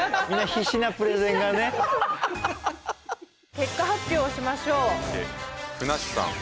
結果発表をしましょう。